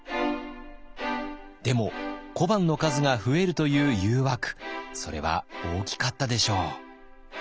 でも小判の数が増えるという誘惑それは大きかったでしょう。